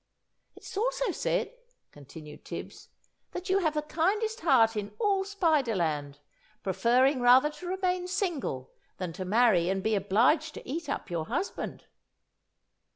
"It is also said," continued Tibbs, "that you have the kindest heart in all Spiderland, preferring rather to remain single than to marry and be obliged to eat up your husband!"